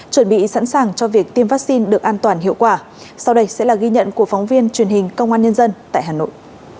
chuẩn bị sẵn sàng cho việc tiêm vaccine được an toàn hiệu quả sau đây sẽ là ghi nhận của phóng viên truyền hình công an nhân dân tại hà nội